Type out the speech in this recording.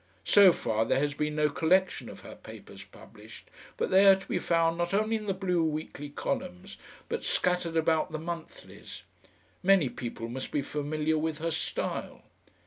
So far there has been no collection of her papers published, but they are to be found not only in the BLUE WEEKLY columns but scattered about the monthlies; many people must be familiar with her style.